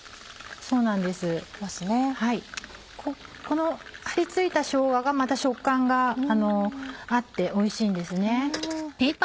この張り付いたしょうががまた食感があっておいしいんですね。